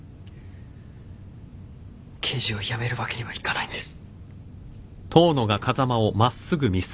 刑事を辞めるわけにはいかないんです。